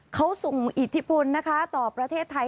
เขาส่งอิทธิพลนะคะต่อประเทศไทย